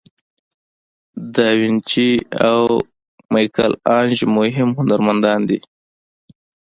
داوینچي او میکل آنژ مهم هنرمندان دي.